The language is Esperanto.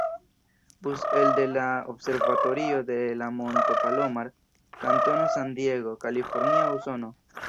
Bus elde la Observatorio de la Monto Palomar, kantono San Diego, Kalifornio, Usono.